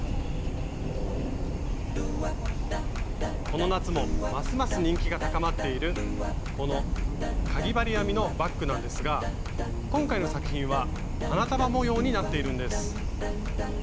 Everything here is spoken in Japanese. この夏もますます人気が高まっているこのかぎ針編みのバッグなんですが今回の作品は花束模様になっているんです。